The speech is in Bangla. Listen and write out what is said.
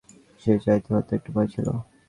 সে চাহনিতে হয়তো একটু ভয় ছিল।